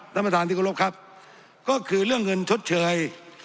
ท่านประธานที่กรบครับก็คือเรื่องเงินชดเชย